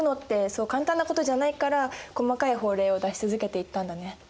そう簡単なことじゃないから細かい法令を出し続けていったんだね。